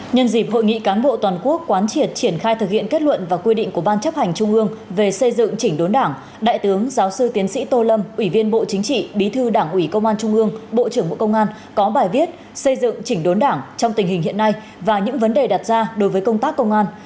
nhân dịp hội nghị cán bộ toàn quốc quán triệt triển khai thực hiện kết luận và quy định của ban chấp hành trung ương về xây dựng chỉnh đốn đảng đại tướng giáo sư tiến sĩ tô lâm ủy viên bộ chính trị bí thư đảng ủy công an trung ương bộ trưởng bộ công an có bài viết xây dựng chỉnh đốn đảng trong tình hình hiện nay và những vấn đề đặt ra đối với công tác công an